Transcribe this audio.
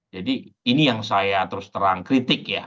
jadi ini yang saya terus terang kritik ya